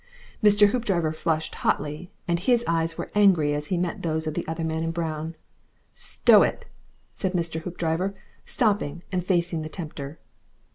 Mr. Hoopdriver flushed hotly, and his eyes were angry as he met those of the other man in brown. "Stow it!" said Mr. Hoopdriver, stopping and facing the tempter.